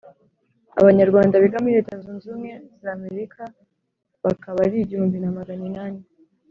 Abanyarwanda biga muri leta zunze ubumwe z’amerika bakaba ari igihumbi na Magana inani